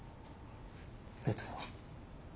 別に。